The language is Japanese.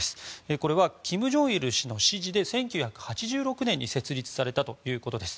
これは金正日氏の指示で１９８６年に設立されたということです。